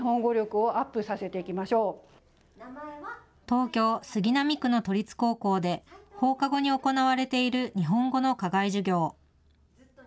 東京杉並区の都立高校で放課後に行われている日本語の課外授業。